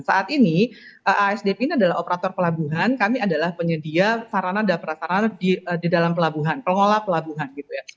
saat ini asdp ini adalah operator pelabuhan kami adalah penyedia sarana dan prasarana di dalam pelabuhan pengolah pelabuhan gitu ya